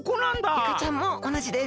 イカちゃんもおなじです！